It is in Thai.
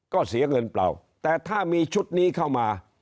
ก็เสียเงินเปล่าแต่ถ้ามีชุดนี้เข้ามา